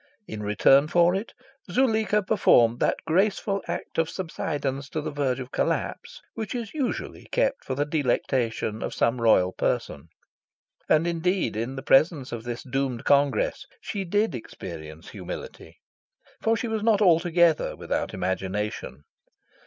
In return for it, Zuleika performed that graceful act of subsidence to the verge of collapse which is usually kept for the delectation of some royal person. And indeed, in the presence of this doomed congress, she did experience humility; for she was not altogether without imagination.